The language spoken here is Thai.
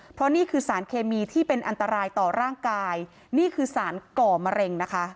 เพราะนี่คือสารเคมีที่เป็นอันตรายต่อร่างกายนี่คือสารก่อมะเร็งนะคะ